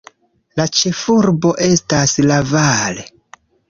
La ĉefurbo estas Laval.